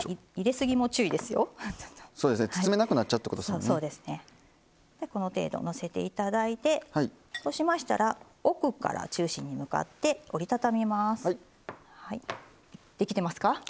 包めなくなっちゃうこの程度のせていただいてそうしましたら奥から中心に向かって折り畳みます。